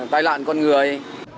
tai lạc con người